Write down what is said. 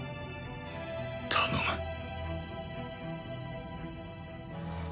頼む。